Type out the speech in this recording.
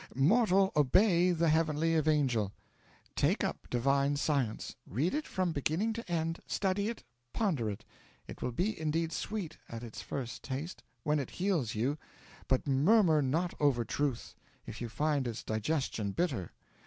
Mortal, obey the heavenly evangel. Take up Divine Science. Read it from beginning to end. Study it, ponder it. It will be indeed sweet at its first taste, when it heals you; but murmur not over Truth, if you find its digestion bitter."